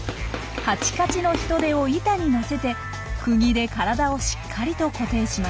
カチカチのヒトデを板に載せてくぎで体をしっかりと固定します。